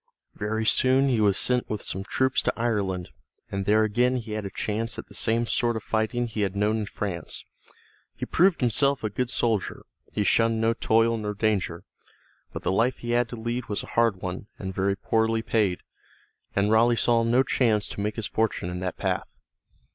Very soon he was sent with some troops to Ireland, and there again he had a chance at the same sort of fighting he had known in France. He proved himself a good soldier; he shunned no toil nor danger. But the life he had to lead was a hard one, and very poorly paid, and Raleigh saw no chance to make his fortune in that path.